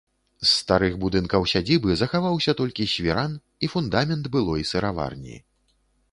З старых будынкаў сядзібы захаваўся толькі свіран і фундамент былой сыраварні.